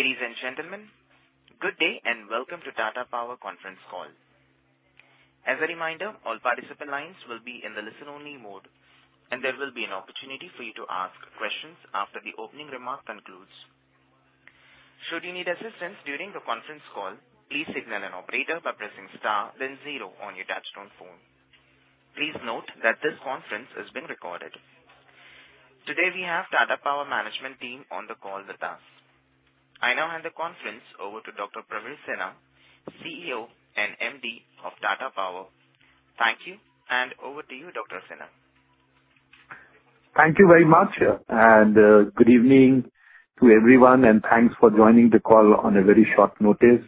Ladies and gentlemen, good day, and welcome to Tata Power conference call. As a reminder, all participant lines will be in the listen-only mode, and there will be an opportunity for you to ask questions after the opening remark concludes. Should you need assistance during the conference call, please signal an operator by pressing star then zero on your touchtone phone. Please note that this conference is being recorded. Today, we have Tata Power management team on the call with us. I now hand the conference over to Dr. Praveer Sinha, CEO and MD of Tata Power. Thank you, and over to you, Dr. Sinha. Thank you very much, and good evening to everyone, and thanks for joining the call on a very short notice.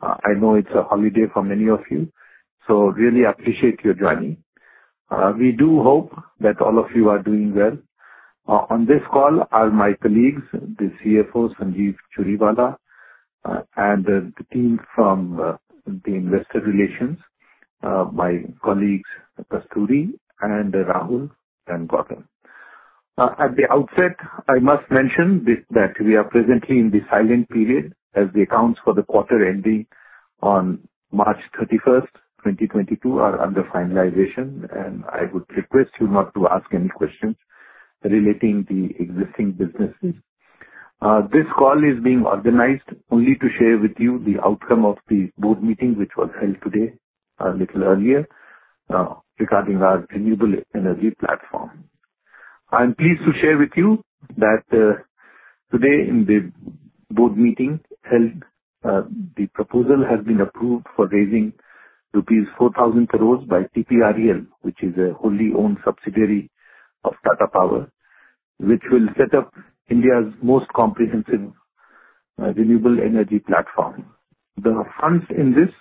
I know it's a holiday for many of you, so really appreciate you joining. We do hope that all of you are doing well. On this call are my colleagues, the CFO, Sanjeev Churiwala, and the team from the investor relations, my colleagues Kasturi and Rahul and Gautam. At the outset, I must mention this, that we are presently in the silent period as the accounts for the quarter ending on March 31, 2022 are under finalization, and I would request you not to ask any questions relating to the existing businesses. This call is being organized only to share with you the outcome of the board meeting which was held today a little earlier, regarding our renewable energy platform. I am pleased to share with you that, today in the board meeting held, the proposal has been approved for raising rupees 4,000 crore by TPREL, which is a wholly-owned subsidiary of Tata Power, which will set up India's most comprehensive, renewable energy platform. The funds in this,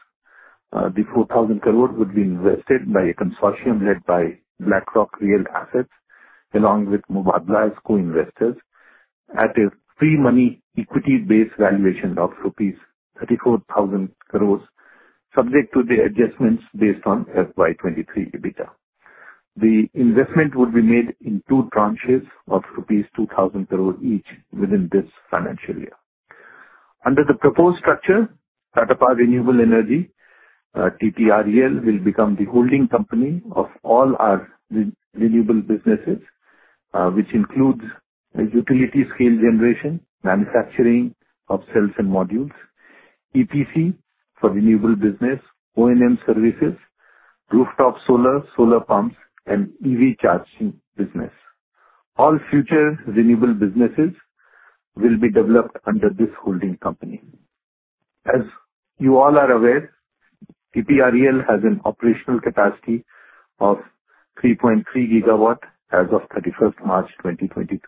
the 4,000 crore, would be invested by a consortium led by BlackRock Real Assets, along with Mubadala as co-investors at a pre-money equity-based valuation of INR 34,000 crore, subject to the adjustments based on FY 2023 EBITDA. The investment will be made in two tranches of rupees 2,000 crore each within this financial year. Under the proposed structure, Tata Power Renewable Energy, TPREL, will become the holding company of all our renewable businesses, which includes the utility scale generation, manufacturing of cells and modules, EPC for renewable business, O&M services, rooftop solar pumps, and EV charging business. All future renewable businesses will be developed under this holding company. As you all are aware, TPREL has an operational capacity of 3.3 GW as of 31 March 2022,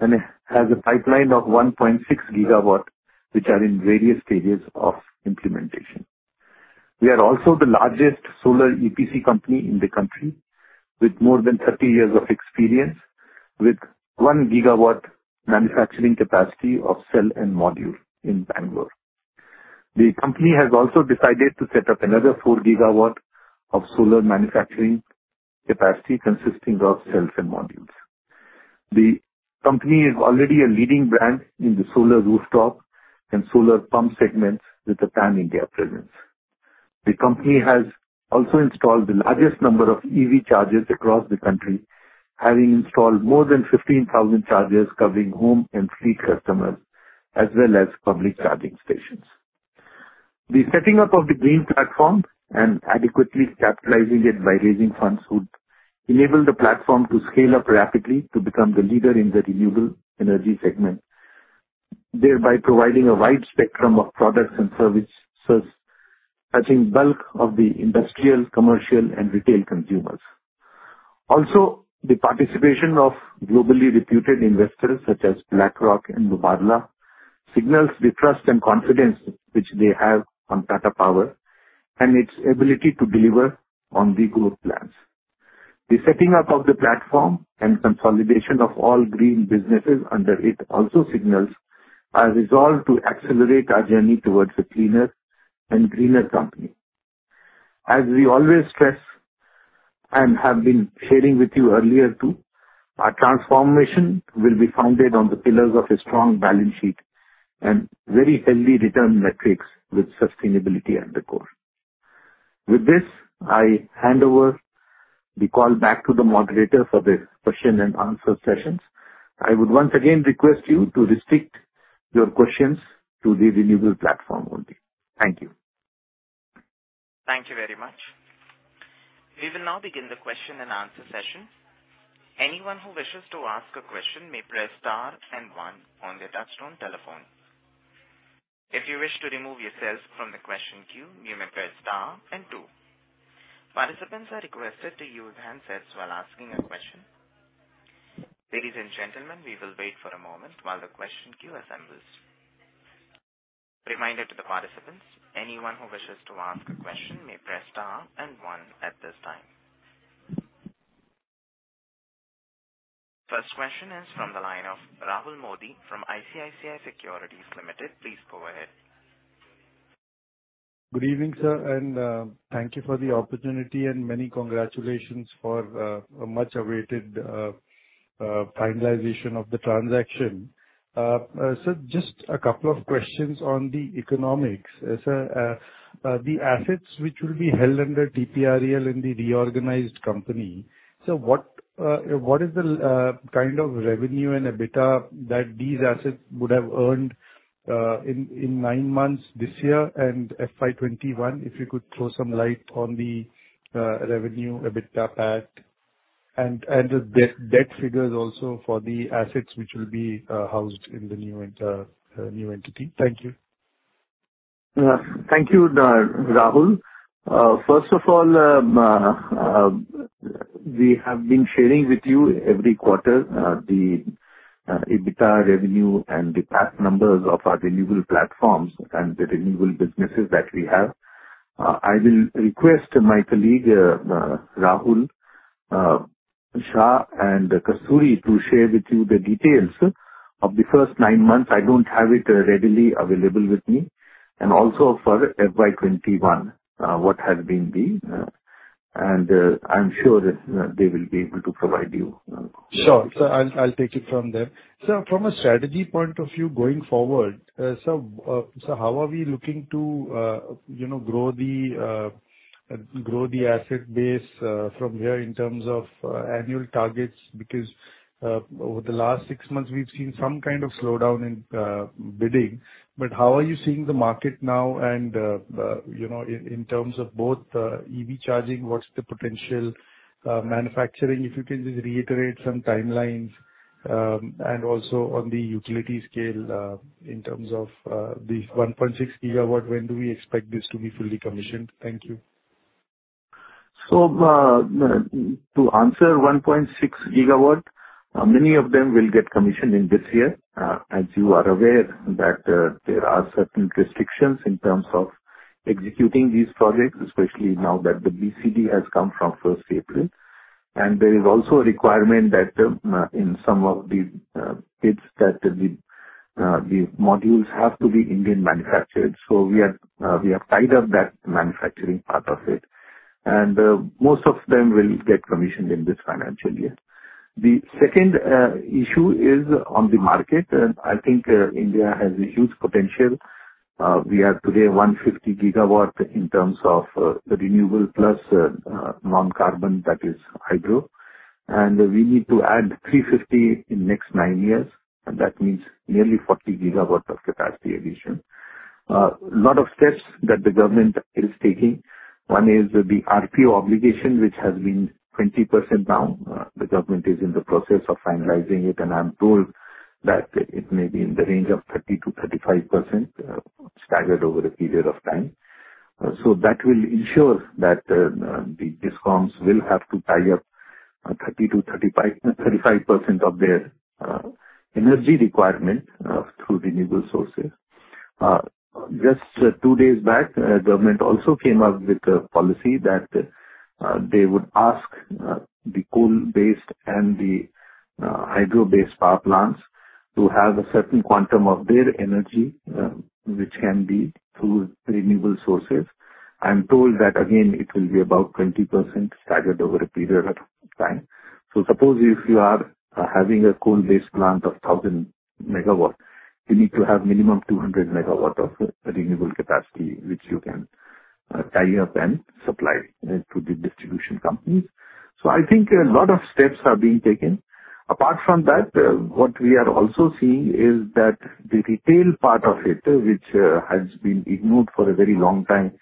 and it has a pipeline of 1.6 GW, which are in various stages of implementation. We are also the largest solar EPC company in the country, with more than 30 years of experience, with 1 GW manufacturing capacity of cell and module in Bangalore. The company has also decided to set up another 4 GW of solar manufacturing capacity consisting of cells and modules. The company is already a leading brand in the solar rooftop and solar pump segments with a pan-India presence. The company has also installed the largest number of EV chargers across the country, having installed more than 15,000 chargers covering home and fleet customers, as well as public charging stations. The setting up of the green platform and adequately capitalizing it by raising funds would enable the platform to scale up rapidly to become the leader in the renewable energy segment, thereby providing a wide spectrum of products and services, touching bulk of the industrial, commercial, and retail consumers. Also, the participation of globally reputed investors such as BlackRock and Mubadala signals the trust and confidence which they have on Tata Power and its ability to deliver on the growth plans. The setting up of the platform and consolidation of all green businesses under it also signals a resolve to accelerate our journey towards a cleaner and greener company. As we always stress, and have been sharing with you earlier, too, our transformation will be founded on the pillars of a strong balance sheet and very healthy return metrics with sustainability at the core. With this, I hand over the call back to the moderator for the question and answer sessions. I would once again request you to restrict your questions to the renewable platform only. Thank you. Thank you very much. We will now begin the question and answer session. Anyone who wishes to ask a question may press star and one on their touchtone telephone. If you wish to remove yourself from the question queue, you may press star and two. Participants are requested to use handsets while asking a question. Ladies and gentlemen, we will wait for a moment while the question queue assembles. Reminder to the participants, anyone who wishes to ask a question may press star and one at this time. First question is from the line of Rahul Mody from ICICI Securities Limited. Please go ahead. Good evening, sir, and thank you for the opportunity and many congratulations for a much awaited finalization of the transaction. Just a couple of questions on the economics. As the assets which will be held under TPREL in the reorganized company, what is the kind of revenue and EBITDA that these assets would have earned in nine months this year and FY 2021? If you could throw some light on the revenue, EBITDA, PAT and the debt figures also for the assets which will be housed in the new entity. Thank you. Thank you, Rahul. First of all, we have been sharing with you every quarter, the EBITDA, revenue and the PAT numbers of our renewable platforms and the renewable businesses that we have. I will request my colleague, Rahul Shah and Kasturi to share with you the details of the first nine months. I don't have it readily available with me. Also for FY 2021, I'm sure that they will be able to provide you. Sure. I'll take it from there. Sir, from a strategy point of view going forward, how are we looking to, you know, grow the asset base from here in terms of annual targets? Because over the last six months, we've seen some kind of slowdown in bidding. How are you seeing the market now and, you know, in terms of both EV charging, what's the potential, manufacturing? If you can just reiterate some timelines, and also on the utility scale, in terms of the 1.6 GW, when do we expect this to be fully commissioned? Thank you. To answer 1.6 GW, many of them will get commissioned in this year. As you are aware that there are certain restrictions in terms of executing these projects, especially now that the BCD has come from 1 April. There is also a requirement that in some of the bids that the modules have to be Indian manufactured. We have tied up that manufacturing part of it. Most of them will get commissioned in this financial year. The second issue is on the market, and I think India has a huge potential. We have today 150 GW in terms of the renewable plus non-carbon, that is hydro. We need to add 350 GW in next nine years, and that means nearly 40 GW of capacity addition. Lot of steps that the government is taking. One is the RPO obligation, which has been 20% now. The government is in the process of finalizing it, and I'm told that it may be in the range of 30%-35%, staggered over a period of time. So that will ensure that the discoms will have to tie up 30%-35% of their energy requirement through renewable sources. Just two days back, government also came up with a policy that they would ask the coal-based and the hydro-based power plants to have a certain quantum of their energy, which can be through renewable sources. I'm told that again, it will be about 20% staggered over a period of time. Suppose if you are having a coal-based plant of 1,000 MW, you need to have minimum 200 MW of renewable capacity, which you can tie up and supply to the distribution companies. I think a lot of steps are being taken. Apart from that, what we are also seeing is that the retail part of it, which has been ignored for a very long time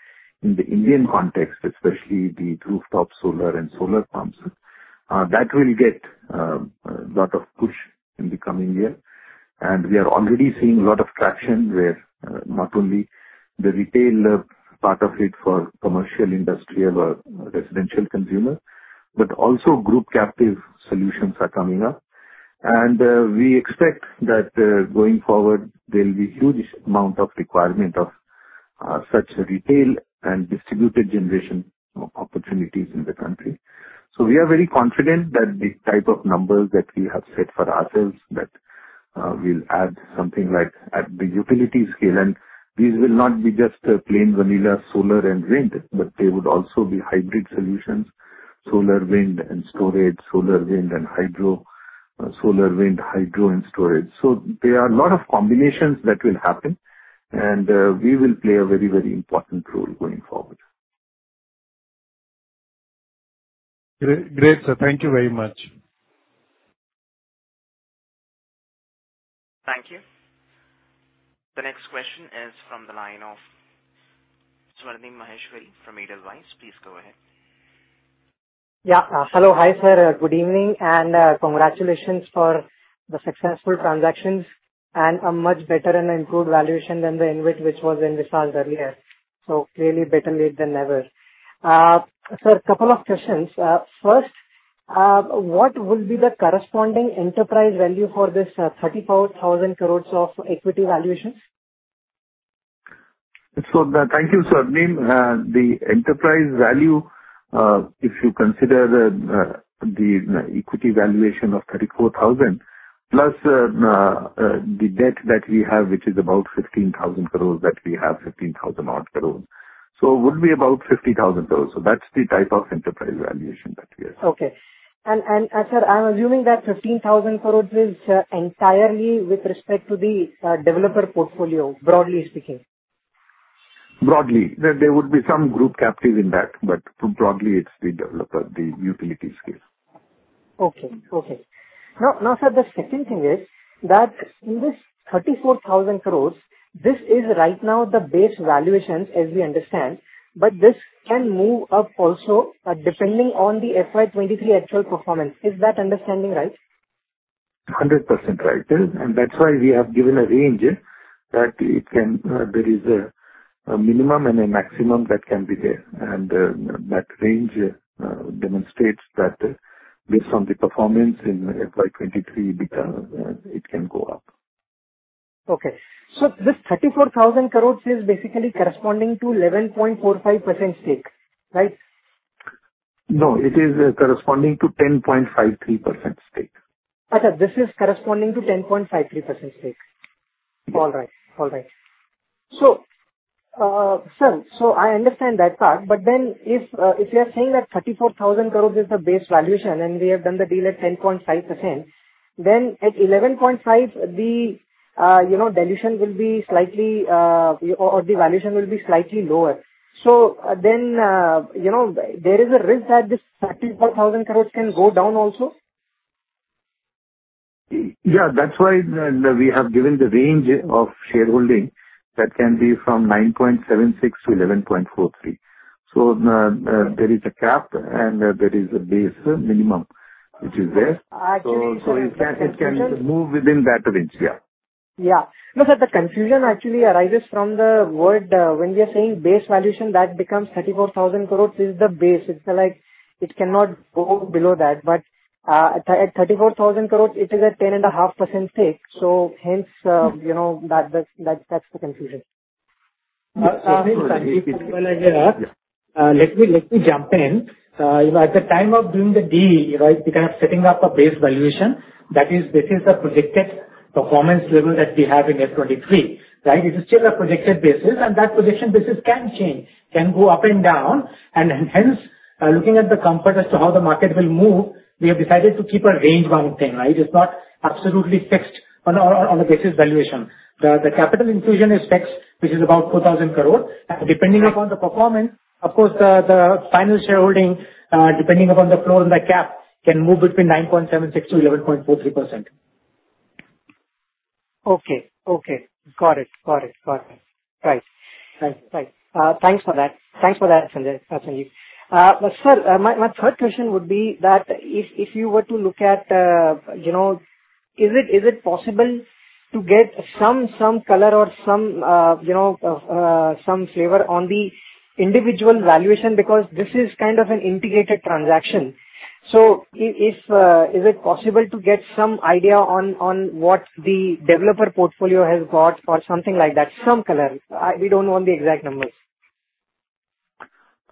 in the Indian context, especially the rooftop solar and solar pumps, that will get lot of push in the coming year. We are already seeing a lot of traction where not only the retail part of it for commercial, industrial or residential consumer, but also group captive solutions are coming up. We expect that going forward, there will be huge amount of requirement of such retail and distributed generation opportunities in the country. We are very confident that the type of numbers that we have set for ourselves that we'll add something like at the utility scale. These will not be just plain vanilla solar and wind, but they would also be hybrid solutions, solar, wind and storage, solar, wind and hydro, solar, wind, hydro and storage. There are a lot of combinations that will happen. We will play a very, very important role going forward. Great, sir. Thank you very much. Thank you. The next question is from the line of Swarnim Maheshwari from Edelweiss. Please go ahead. Hello. Hi, sir, good evening, and congratulations for the successful transactions and a much better and improved valuation than the invite which was in InvIT earlier. Clearly better late than never. Sir, a couple of questions. First, what will be the corresponding enterprise value for this 34,000 crore of equity valuation? Thank you, Swarnim. The enterprise value, if you consider the equity valuation of 34,000 crore plus the debt that we have, which is about 15,000-odd crore, it would be about 50,000 crore. That's the type of enterprise valuation that we have. Sir, I'm assuming that 15,000 crore is entirely with respect to the developer portfolio, broadly speaking. Broadly, there would be some group captive in that. Broadly, it's the developer, the utility scale. Okay. Now, sir, the second thing is that in this 34,000 crore, this is right now the base valuations, as we understand, but this can move up also, depending on the FY 2023 actual performance. Is that understanding right? 100% right. That's why we have given a range that it can. There is a minimum and a maximum that can be there. That range demonstrates that based on the performance in FY 2023, it can go up. This 34,000 crore is basically corresponding to 11.45% stake, right? No, it is corresponding to 10.53% stake. This is corresponding to 10.53% stake. All right. Sir, so I understand that part. If you are saying that 34,000 crore is the base valuation, and we have done the deal at 10.5%, then at 11.5%, you know, the dilution will be slightly or the valuation will be slightly lower. You know, there is a risk that this 34,000 crore can go down also? Yeah. That's why we have given the range of shareholding that can be from 9.76%-11.43%. There is a cap and there is a base minimum which is there. Actually It can move within that range. Yeah. No, sir, the confusion actually arises from the word when we are saying base valuation, that becomes 34,000 crore is the base. It's like it cannot go below that. At 34,000 crore it is a 10.5% stake. Hence, you know that's the confusion. Let me jump in. You know, at the time of doing the deal, right, we're kind of setting up a base valuation. That is, this is a projected performance level that we have in FY 2023, right? It is still a projected basis, and that projection basis can change, can go up and down. Hence, looking at the comfort as to how the market will move, we have decided to keep a range bound thing, right? It's not absolutely fixed on our, on the base valuation. The capital infusion is fixed, which is about 4,000 crore. Depending upon the performance, of course, the final shareholding, depending upon the floor and the cap, can move between 9.76%-11.43%. Okay. Got it. Right. Thanks for that, Sanjeev. Sir, my third question would be that if you were to look at, you know, is it possible to get some color or some flavor on the individual valuation because this is kind of an integrated transaction. Is it possible to get some idea on what the developer portfolio has got or something like that? Some color. We don't want the exact numbers.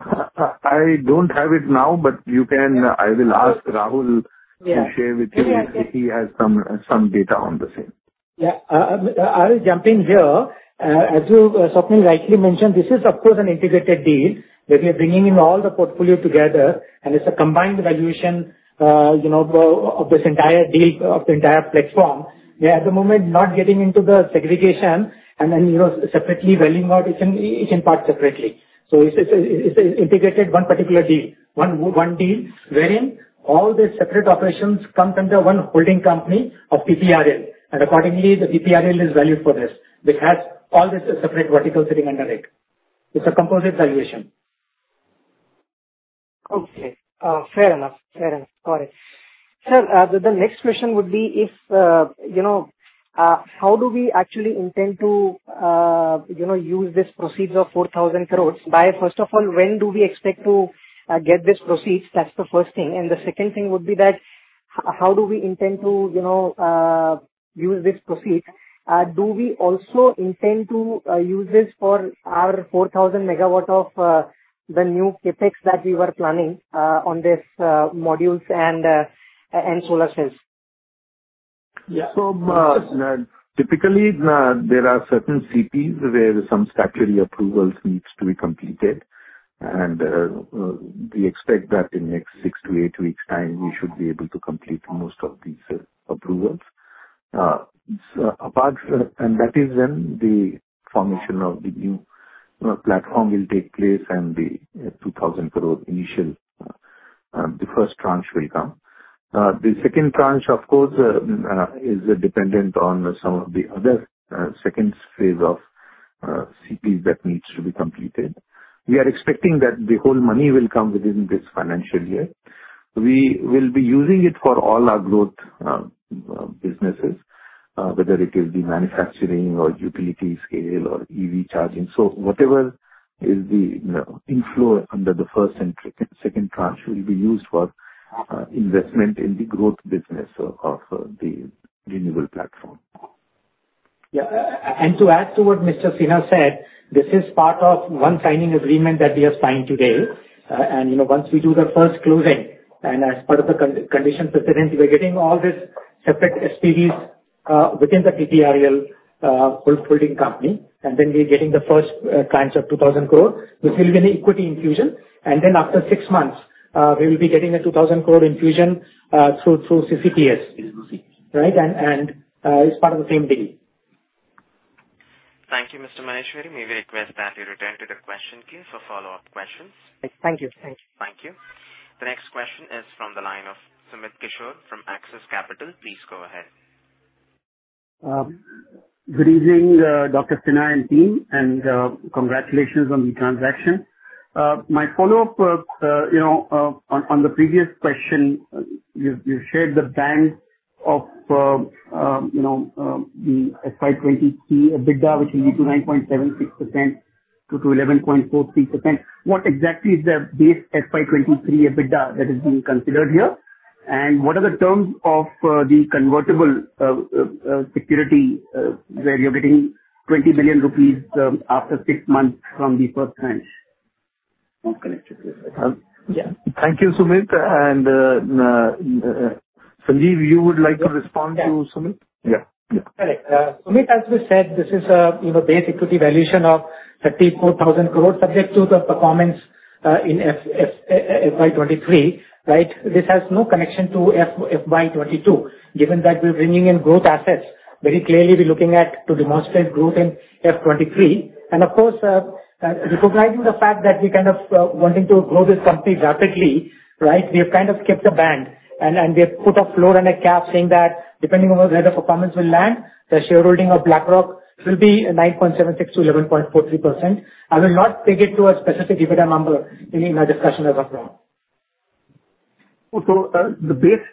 I don't have it now, but you can. I will ask Rahul. Yeah. to share with you. Yeah, yeah. If he has some data on the same. Yeah. I'll jump in here. As you, Swarnim, rightly mentioned, this is of course an integrated deal, where we are bringing in all the portfolio together and it's a combined valuation, you know, of this entire deal, of the entire platform. We're at the moment not getting into the segregation and then, you know, separately valuing out each in part separately. It's integrated one particular deal. One deal wherein all the separate operations come under one holding company of TPREL, and accordingly the TPREL is valued for this. This has all the separate verticals sitting under it. It's a composite valuation. Okay. Fair enough. Got it. Sir, the next question would be if, you know, how do we actually intend to, you know, use this proceeds of 4,000 crore by. First of all, when do we expect to get this proceeds? That's the first thing. The second thing would be that how do we intend to, you know, use this proceeds? Do we also intend to use this for our 4,000 MW of the new CapEx that we were planning on this modules and solar cells? Typically, there are certain CPs where some statutory approvals needs to be completed. We expect that in next six to eight weeks time we should be able to complete most of these approvals. That is when the formation of the new, you know, platform will take place and the 2,000 crore initial, the first tranche will come. The second tranche, of course, is dependent on some of the other, second phase of CPs that needs to be completed. We are expecting that the whole money will come within this financial year. We will be using it for all our growth, businesses, whether it is the manufacturing or utility scale or EV charging. Whatever is the inflow under the first and second tranche will be used for investment in the growth business of the renewable platform. Yeah. To add to what Mr. Sinha said, this is part of one signing agreement that we are signing today. You know, once we do the first closing, and as part of the condition precedent, we're getting all this separate SPVs within the TPREL holding company, and then we're getting the first tranche of 2,000 crore, which will be an equity infusion. Then after six months, we will be getting a 2,000 crore infusion through CCPS. CCPS. Right? It's part of the same deal. Thank you, Mr. Maheshwari. May we request that you return to the question queue for follow-up questions. Thank you. Thanks. Thank you. The next question is from the line of Sumit Kishore from Axis Capital. Please go ahead. Good evening, Dr. Sinha and team, and congratulations on the transaction. My follow-up on the previous question, you've shared the band of the FY 2023 EBITDA, which is 9.76% to 11.43%. What exactly is the base FY 2023 EBITDA that is being considered here? And what are the terms of the convertible security, where you're getting 20 million rupees after six months from the first tranche? No connection with that. Yeah. Thank you, Sumit. Sanjeev, you would like to respond to Sumit? Yeah. Correct. Sumit, as we said, this is, you know, base equity valuation of 34,000 crore subject to the performance in FY 2023, right? This has no connection to FY 2022, given that we're bringing in growth assets. Very clearly we're looking to demonstrate growth in FY 2023. Of course, recognizing the fact that we kind of wanting to grow this company rapidly, right? We have kind of kept a band and we have put a floor and a cap saying that depending on where the performance will land, the shareholding of BlackRock will be 9.76%-11.43%. I will not take it to a specific EBITDA number in my discussion with BlackRock. The base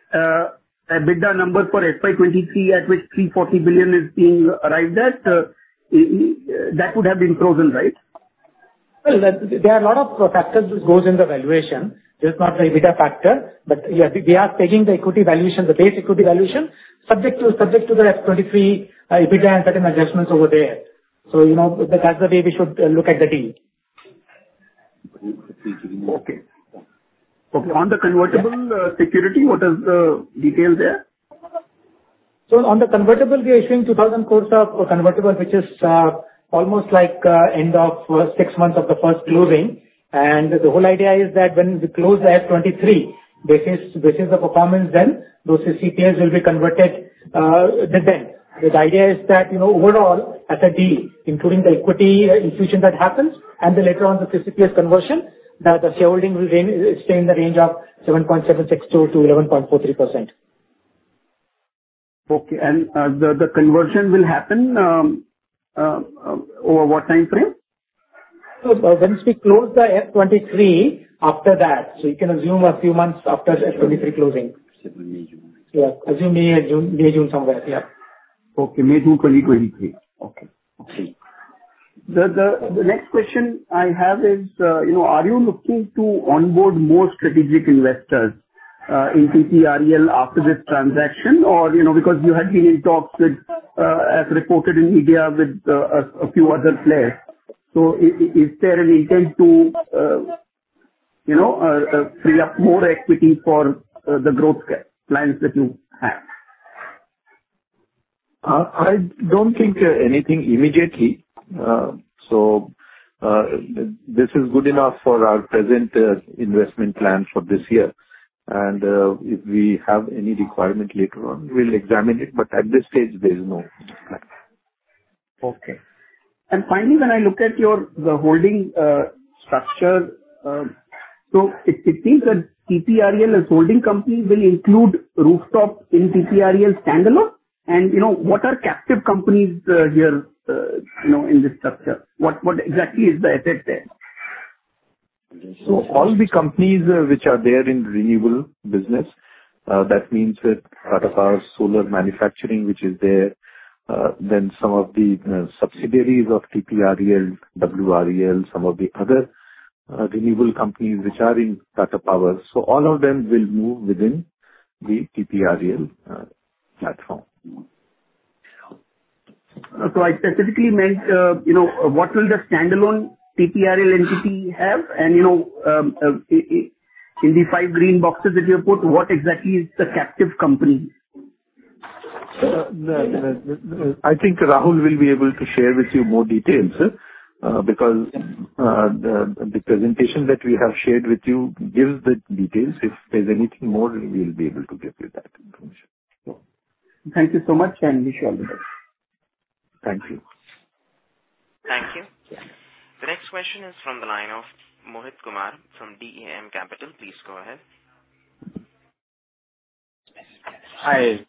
EBITDA number for FY 2023 at which 340 billion is being arrived at, that would have been frozen, right? Well, there are a lot of factors which goes in the valuation. It's not the EBITDA factor, but yeah, we are taking the equity valuation, the base equity valuation, subject to the FY 2023 EBITDA and certain adjustments over there. You know, that's the way we should look at the deal. Okay. Okay. On the convertible security, what is the detail there? On the convertible, we are issuing 2,000 crores of convertible, which is almost like end of six months of the first closing. The whole idea is that when we close the FY 2023, this is the performance then. Those CCPS will be converted then. The idea is that, you know, overall as a deal, including the equity infusion that happens and then later on the CCPS conversion, the shareholding will remain in the range of 7.762%-11.43%. Okay. The conversion will happen over what time frame? Once we close the FY 2023, after that. You can assume a few months after FY 2023 closing. May, June. Yeah, assume May or June somewhere. Yeah. Okay. May, June, 2023. Okay. The next question I have is, you know, are you looking to onboard more strategic investors in TPREL after this transaction? Or, you know, because you had been in talks with, as reported in India with, a few other players. Is there an intent to, you know, free up more equity for the growth capital plans that you have? I don't think anything immediately. This is good enough for our present investment plan for this year. If we have any requirement later on, we'll examine it, but at this stage there's no plans. Okay. Finally, when I look at your, the holding structure, so it seems that TPREL as holding company will include rooftop in TPREL standalone. You know, what are captive companies here, you know, in this structure? What exactly is the effect there? All the companies which are there in renewable business, that means that Tata Power's solar manufacturing which is there, then some of the subsidiaries of TPREL, WREL, some of the other renewable companies which are in Tata Power. All of them will move within the TPREL platform. I specifically meant, you know, what will the standalone TPREL entity have? You know, in the five green boxes that you have put, what exactly is the captive company? I think Rahul will be able to share with you more details, because the presentation that we have shared with you gives the details. If there's anything more, we'll be able to give you that information. Thank you so much, and wish you all the best. Thank you. Thank you. Yeah. The next question is from the line of Mohit Kumar from DAM Capital. Please go ahead. Hi.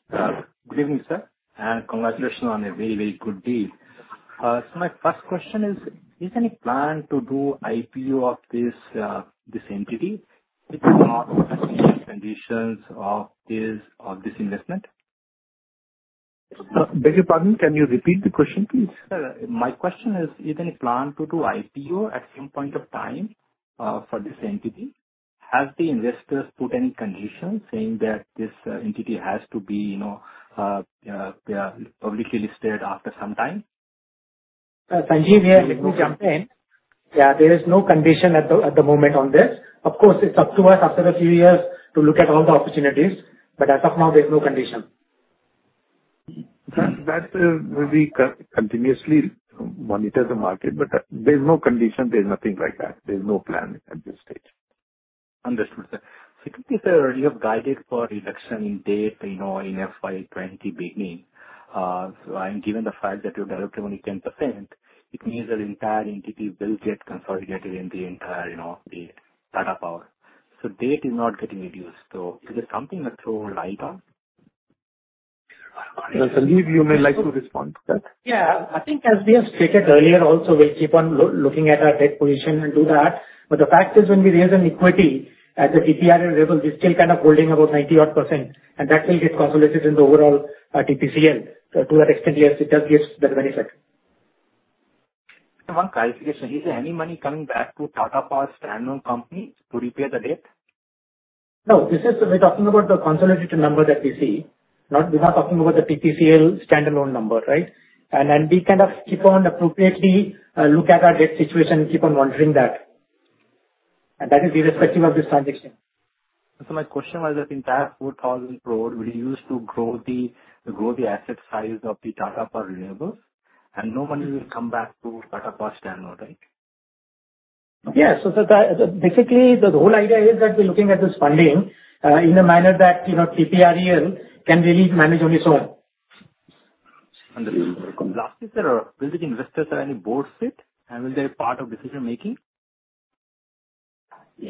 Good evening, sir, and congratulations on a very, very good deal. My first question is there any plan to do IPO of this entity? If not, what are the conditions of this investment? Beg your pardon. Can you repeat the question, please? Sure. My question is there any plan to do IPO at some point of time, for this entity? Have the investors put any conditions saying that this entity has to be, you know, publicly listed after some time? Sanjeev here. Let me jump in. Yeah, there is no condition at the moment on this. Of course, it's up to us after the three years to look at all the opportunities. As of now, there's no condition. That will be continuously monitoring the market, but there's no condition, there's nothing like that. There's no plan at this stage. Understood, sir. I think you said already you have guided for reduction in debt, you know, in FY 2020 beginning. Given the fact that you've developed only 10%, it means the entire entity will get consolidated in the entire, you know, the Tata Power. Debt is not getting reduced, so is it something that's relied on? Sanjeev, you may like to respond to that. Yeah. I think as we have stated earlier also, we'll keep on looking at our debt position and do that. The fact is when we raise an equity at the TPREL level, we're still kind of holding about 90%, and that will get consolidated in the overall TPCL. To that extent, yes, it does give that benefit. One calculation. Is there any money coming back to Tata Power standalone company to repay the debt? No. We're talking about the consolidated number that we see, not the TPCL standalone number, right? We kind of keep on appropriately looking at our debt situation, keep on monitoring that. That is irrespective of this transaction. My question was that entire 4,000 crore will use to grow the asset size of the Tata Power Renewable, and no money will come back to Tata Power standalone. Basically, the whole idea is that we're looking at this funding in the manner that, you know, TPREL can really manage on its own. Understood. Lastly, sir, will the investors have any board seat and will they be part of decision-making? They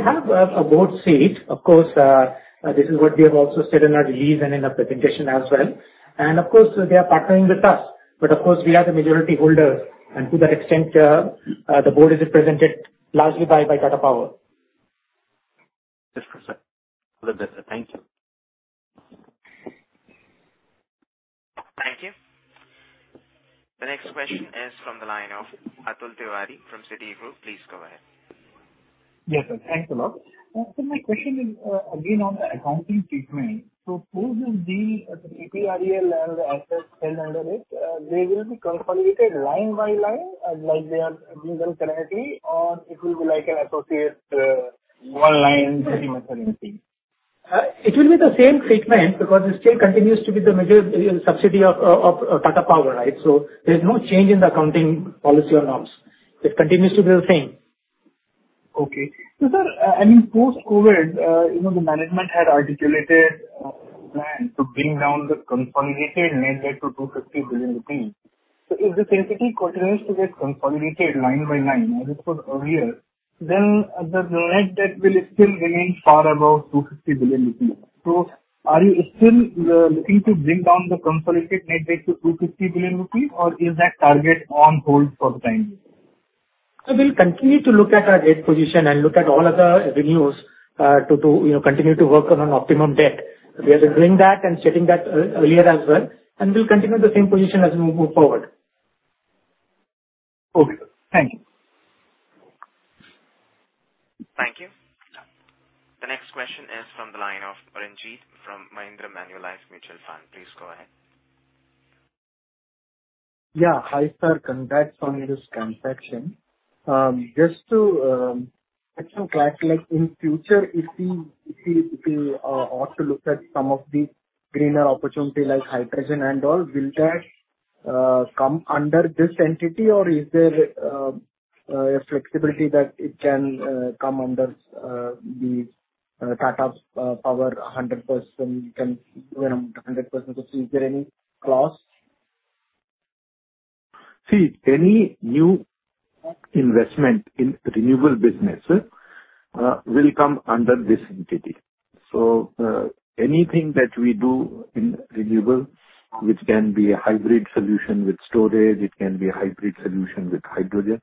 have a board seat. Of course, this is what we have also said in our release and in the presentation as well. Of course, they are partnering with us. Of course, we are the majority holder, and to that extent, the board is represented largely by Tata Power. Understood, sir. Thank you. Thank you. The next question is from the line of Atul Tiwari from Citigroup. Please go ahead. Yes, sir. Thanks a lot. My question is, again, on the accounting treatment. Who will be the TPREL and the assets held under it? They will be consolidated line by line, like they are a single entity, or it will be like an associate, one line pretty much entity? It will be the same treatment because it still continues to be the major subsidy of Tata Power, right? There's no change in the accounting policy or norms. It continues to be the same. Okay. Sir, I mean, post-COVID, you know, the management had articulated a plan to bring down the consolidated net debt to 250 billion rupees. If this entity continues to get consolidated line by line, as it was earlier, then the net debt will still remain far above 250 billion rupees. Are you still looking to bring down the consolidated net debt to 250 billion rupees, or is that target on hold for the time being? We'll continue to look at our debt position and look at all other avenues, to you know continue to work on an optimum debt. We have been doing that and sharing that earlier as well, and we'll continue the same position as we move forward. Okay. Thank you. Thank you. The next question is from the line of Renjith from Mahindra Manulife Mutual Fund. Please go ahead. Yeah. Hi, sir. Congrats on this transaction. Just to actually clarify, like in future, if we ought to look at some of the greener opportunity like hydrogen and all, will that come under this entity or is there a flexibility that it can come under the Tata Power 100%, you know, 100%? Is there any clause? See, any new investment in renewable business will come under this entity. Anything that we do in renewable, which can be a hybrid solution with storage, it can be a hybrid solution with hydrogen,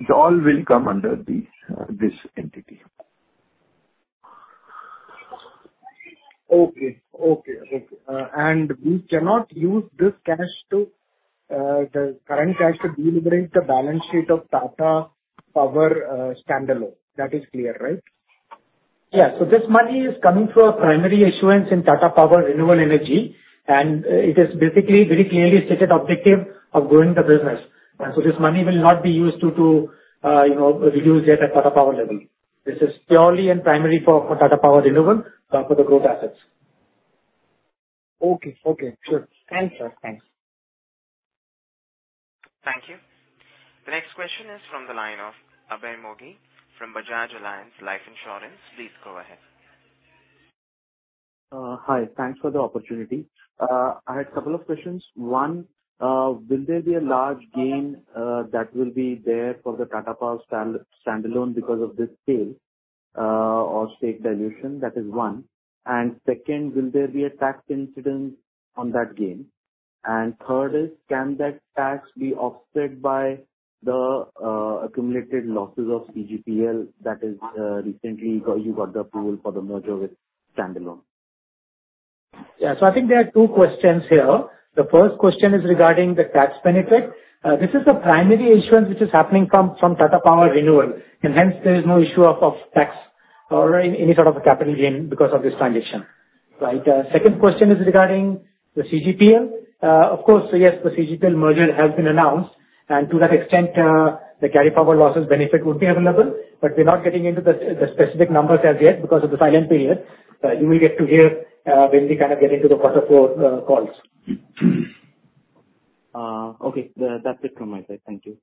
it all will come under this entity. Okay. We cannot use this cash, the current cash, to de-leverage the balance sheet of Tata Power standalone. That is clear, right? Yeah. This money is coming through a primary issuance in Tata Power Renewable Energy, and it is basically very clearly stated objective of growing the business. This money will not be used to you know, reduce debt at Tata Power level. This is purely and primarily for Tata Power Renewable for the growth assets. Okay. Sure. Thanks, sir. Thank you. The next question is from the line of Abhay Moghe from Bajaj Allianz Life Insurance. Please go ahead. Hi. Thanks for the opportunity. I had couple of questions. One, will there be a large gain that will be there for the Tata Power standalone because of this sale or stake dilution? That is one. Second, will there be a tax incidence on that gain? Third is, can that tax be offset by the accumulated losses of CGPL that is recently you got the approval for the merger with standalone? Yeah. I think there are two questions here. The first question is regarding the tax benefit. This is a primary issuance which is happening from Tata Power Renewable, and hence there is no issue of tax or any sort of a capital gain because of this transaction. Right. Second question is regarding the CGPL. Of course, yes, the CGPL merger has been announced, and to that extent, the carry forward losses benefit would be available. But we're not getting into the specific numbers as yet because of the silent period. You will get to hear when we kind of get into the quarter four calls. Okay. That's it from my side. Thank you.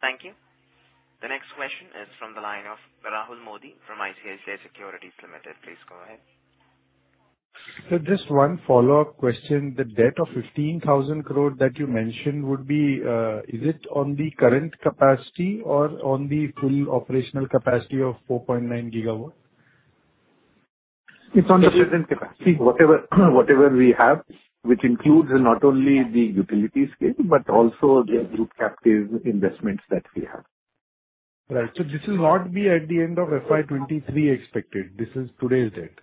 Thank you. The next question is from the line of Rahul Mody from ICICI Securities Limited. Please go ahead. Sir, just one follow-up question. The debt of 15,000 crore that you mentioned, is it on the current capacity or on the full operational capacity of 4.9 GW? It's on the present capacity. Whatever we have, which includes not only the utility scale but also the group captive investments that we have. Right. This will not be at the end of FY 2023 expected. This is today's date.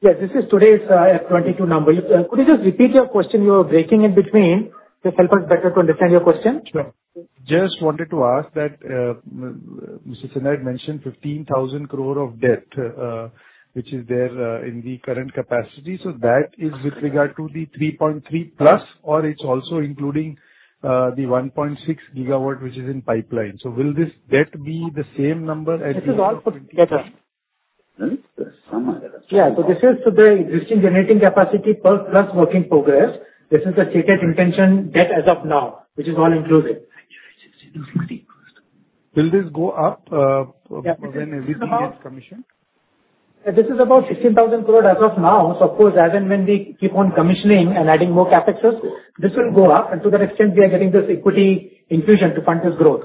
Yeah, this is today's FY 2022 number. Could you just repeat your question? You were breaking in between. It'll help us better to understand your question. Sure. Just wanted to ask that, Mr. Sinha had mentioned 15,000 crore of debt, which is there in the current capacity. That is with regard to the 3.3+ or it's also including the 1.6 GW which is in pipeline. Will this debt be the same number as- This is all together. Hmm? Yeah. This is the existing generating capacity plus works in progress. This is the stated intended debt as of now, which is all inclusive. Will this go up? Yeah. When everything gets commissioned? This is about 16,000 crore as of now. Suppose as and when we keep on commissioning and adding more CapExes, this will go up, and to that extent, we are getting this equity infusion to fund this growth.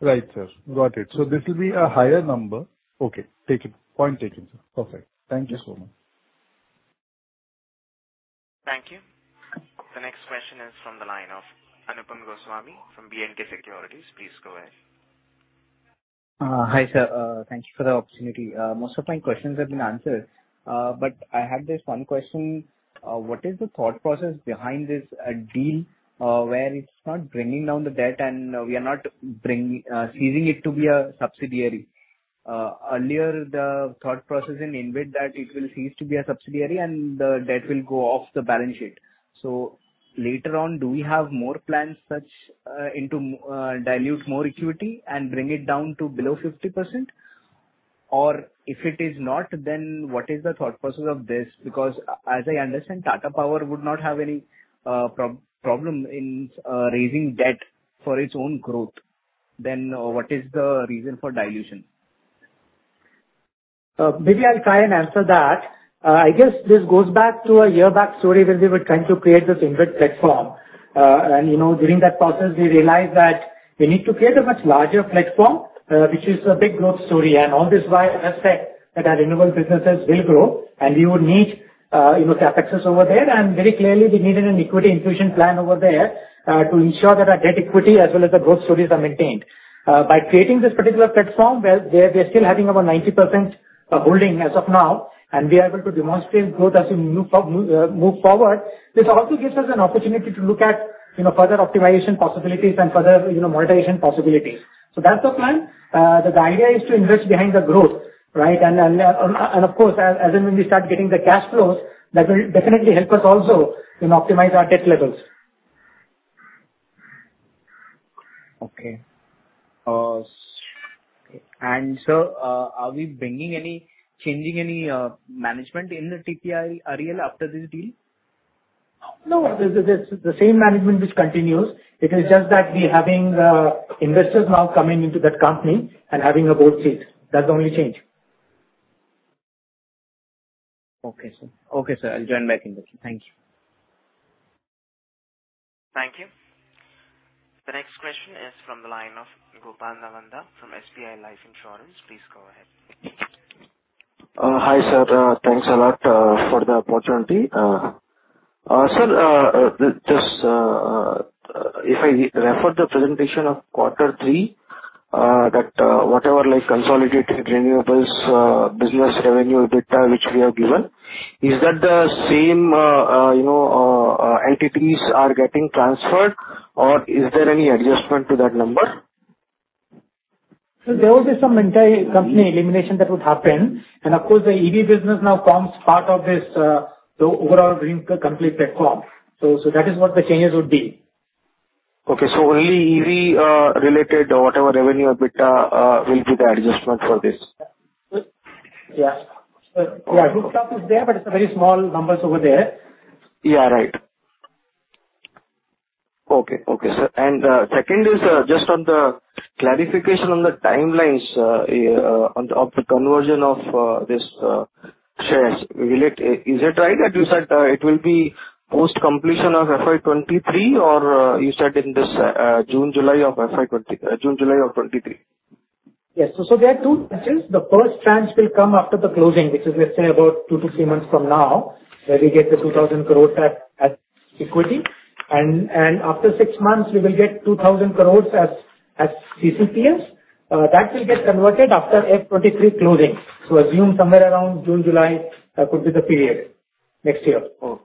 Right, sir. Got it. So this will be a higher number. Okay. Taken. Point taken, sir. Perfect. Thank you so much. Thank you. The next question is from the line of Anupam Goswami from B&K Securities. Please go ahead. Hi, sir. Thank you for the opportunity. Most of my questions have been answered. I had this one question. What is the thought process behind this deal, where it's not bringing down the debt and we are not ceasing it to be a subsidiary? Earlier the thought process in InvIT that it will cease to be a subsidiary and the debt will go off the balance sheet. Later on, do we have more plans such as to dilute more equity and bring it down to below 50%? Or if it is not, then what is the thought process of this? Because as I understand, Tata Power would not have any problem in raising debt for its own growth. What is the reason for dilution? Maybe I'll try and answer that. I guess this goes back to a year back story when we were trying to create this InvIT platform. You know, during that process, we realized that we need to create a much larger platform, which is a big growth story. All this while, I said that our renewable businesses will grow and we would need, you know, CapExes over there. Very clearly we needed an equity infusion plan over there, to ensure that our debt equity as well as the growth stories are maintained. By creating this particular platform, well, we are still having over 90% holding as of now, and we are able to demonstrate growth as we move forward. This also gives us an opportunity to look at, you know, further optimization possibilities and further, you know, monetization possibilities. That's the plan. The idea is to invest behind the growth, right? Of course, as and when we start getting the cash flows, that will definitely help us also in optimize our debt levels. Okay. Sir, are we changing any management in TPREL after this deal? No. The same management which continues. It is just that we're having investors now coming into that company and having a board seat. That's the only change. Okay, sir. Okay, sir. I'll join back in touch. Thank you. Thank you. The next question is from the line of Gopal Nanda from SBI Life Insurance. Please go ahead. Hi, sir. Thanks a lot for the opportunity. Sir, this, if I refer to the presentation of quarter three, that whatever, like, consolidated renewables business revenue EBITDA which we have given, is that the same, you know, entities are getting transferred or is there any adjustment to that number? There will be some entire company elimination that would happen. Of course, the EV business now forms part of this, the overall green complete platform. That is what the changes would be. Okay. Only EV related whatever revenue EBITDA will be the adjustment for this. Yeah. Group top is there, but it's very small numbers over there. Yeah, right. Okay. Okay, sir. Second is just on the clarification on the timelines on the conversion of this shares. Is it right that you said it will be post-completion of FY 2023, or you said in June, July of 2023? Yes. There are two tranches. The first tranche will come after the closing, which is, let's say about two to three months from now, where we get 2,000 crore at equity. After six months, we will get 2,000 crores as CCPS. That will get converted after FY 2023 closing. Assume somewhere around June, July, could be the period next year. Oh,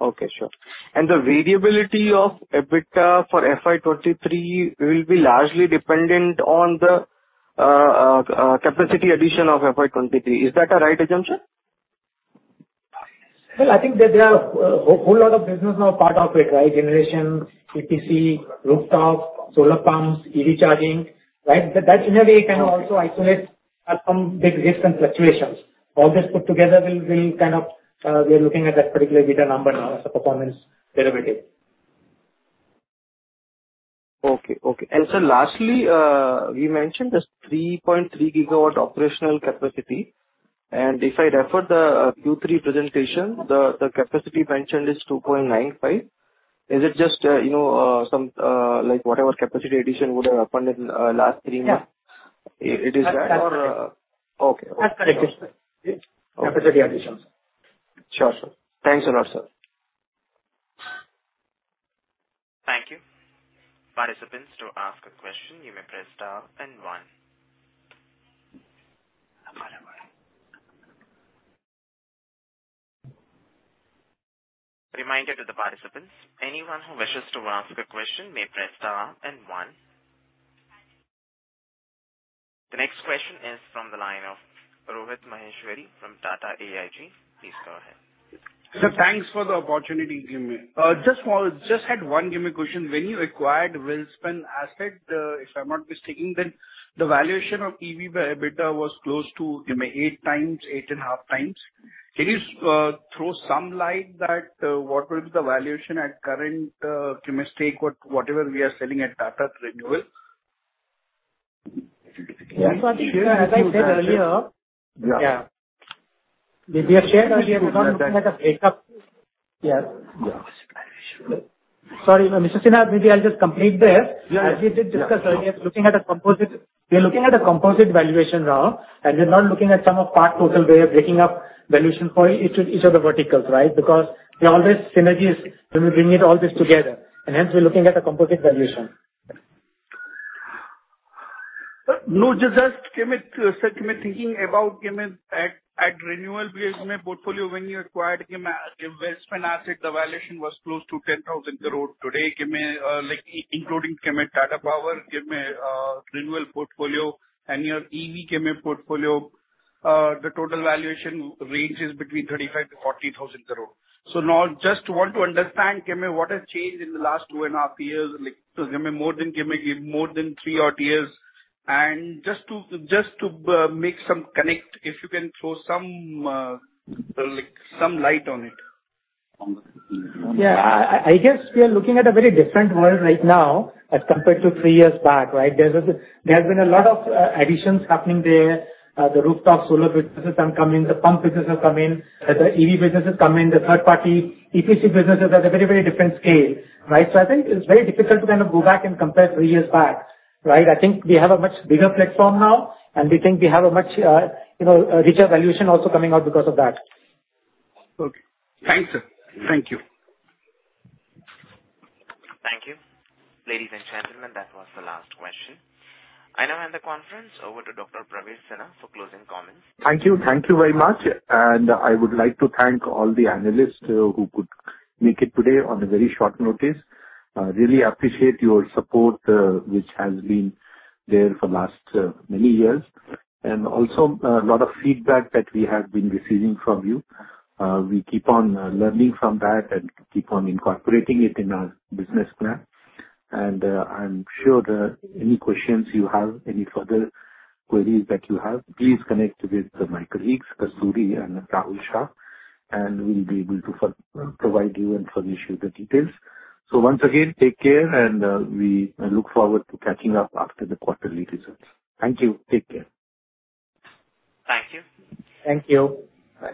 okay. Sure. The variability of EBITDA for FY 2023 will be largely dependent on the capacity addition of FY 2023. Is that a right assumption? Well, I think that there are a whole lot of business now part of it, right? Generation, EPC, rooftop, solar pumps, EV charging, right? That generally can also isolate from the risks and fluctuations. All this put together will kind of we are looking at that particular EBITDA number now as a performance derivative. Sir, lastly, you mentioned this 3.3 GW operational capacity. If I refer to the Q3 presentation, the capacity mentioned is 2.95 GW. Is it just, you know, some like whatever capacity addition would have happened in last three months? Yeah. It is that or. That's correct. Okay. That's correct. Okay. Capacity addition. Sure, sir. Thanks a lot, sir. Thank you. Participants, to ask a question, you may press star one. Reminder to the participants, anyone who wishes to ask a question may press star one. The next question is from the line of Rohit Maheshwari from Tata AIG. Please go ahead. Sir, thanks for the opportunity. Just had one question. When you acquired Welspun asset, if I'm not mistaken, then the valuation of EV/EBITDA was close to 8x-8.5x. Can you throw some light on that, what will be the valuation at current stake, whatever we are selling at Tata Renewables? Yeah. As I said earlier. Yeah. We have shared earlier, we are not looking at a breakup. Yeah. Yeah. Sorry, Mr. Sinha, maybe I'll just complete there. Yeah, yeah. As we did discuss earlier, we are looking at a composite valuation now, and we're not looking at sum-of-the-parts total way of breaking up valuation for each of the verticals, right? Because there are always synergies when we bring it all together, and hence we're looking at a composite valuation. No, just sir, thinking about at renewable business portfolio, when you acquired investment asset, the valuation was close to 10,000 crore. Today, like, including Tata Power renewable portfolio and your EV portfolio, the total valuation ranges between 35,000 crore-40,000 crore. Now I just want to understand what has changed in the last two and a half years, like, more than three-odd years. Just to make some connection, if you can throw some light on it. I guess we are looking at a very different world right now as compared to three years back, right? There's been a lot of additions happening there. The rooftop solar businesses have come in, the pump business have come in, the EV businesses come in. The third party EPC businesses at a very, very different scale, right? I think it's very difficult to kind of go back and compare three years back, right? I think we have a much bigger platform now, and we think we have a much, you know, richer valuation also coming out because of that. Okay. Thanks, sir. Thank you. Thank you. Ladies and gentlemen, that was the last question. I now hand the conference over to Dr. Praveer Sinha for closing comments. Thank you. Thank you very much. I would like to thank all the analysts who could make it today on a very short notice. Really appreciate your support, which has been there for last many years. A lot of feedback that we have been receiving from you. We keep on learning from that and keep on incorporating it in our business plan. I'm sure that any questions you have, any further queries that you have, please connect with my colleagues, Kasturi and Rahul Shah, and we'll be able to provide you and furnish you the details. Once again, take care, and we look forward to catching up after the quarterly results. Thank you. Take care. Thank you. Thank you. Bye.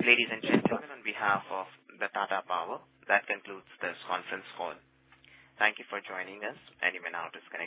Ladies and gentlemen, on behalf of the Tata Power, that concludes this conference call. Thank you for joining us, and you may now disconnect your-